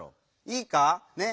いいか？ね。